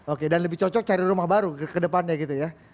oke dan lebih cocok cari rumah baru ke depannya gitu ya